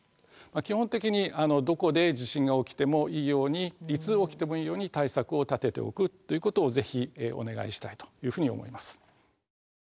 基本的にどこで地震が起きてもいいようにいつ起きてもいいように対策を立てておくということを是非お願いしたいというふうに思います。